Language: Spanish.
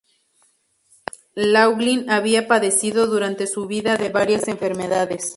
Laughlin había padecido durante su vida de varias enfermedades.